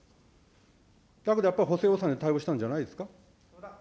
だけどやっぱり補正予算で対応したんじゃないですか。